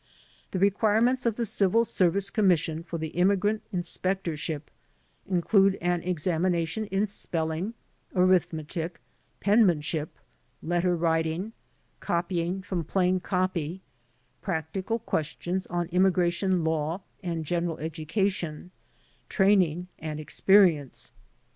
The requirements of the Civil Service Commission for the immigrant inspectorship in elude an examination in spelling, arithmetic, penmanship, letter writing, copying from plain copy, practical ques tions on immigration law and general education, training and experience.